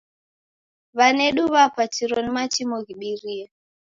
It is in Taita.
W'anedu w'apatiro ni matimo ghibirie.